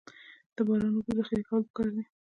د باران اوبو ذخیره کول پکار دي